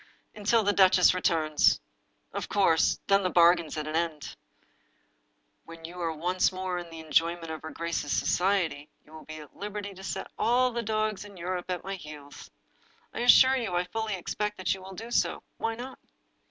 "Ah, until the duchess returns! Of course, then the bargain's at an end. When you are once more in the en joyment of her grace's society, you will be at liberty to set all the dogs in Europe at my heels. I assure you I fully expect that you^will do so — why not?"